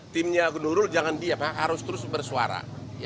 timnya gubernur jangan diam harus terus bersuara